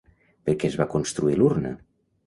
Per què es va construir l'urna?